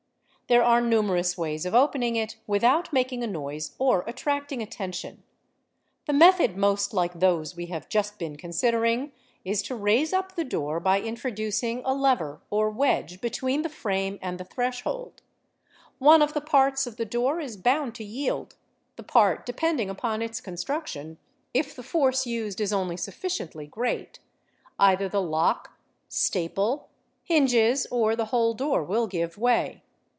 There are numerous ways of opening it without making a noise or attracting attention. The method most like those we have just been ee considering is to raise up the door by introducing a lever or wedge between the frame and the threshold; one of the parts of the door is bound to yield, the part depending upon its construction, if the force used is only sufficiently great: either the lock, staple, hinges, or the whole door will give way.